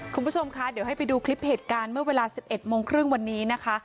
คุณผู้ชมคะเดี๋ยวให้ไปดูคลิปเหตุการณ์เมื่อเวลา๑๑โมงครึ่งวันนี้นะคะ